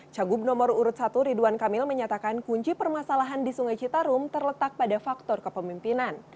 cagup nomor urut satu ridwan kamil menyatakan kunci permasalahan di sungai citarum terletak pada faktor kepemimpinan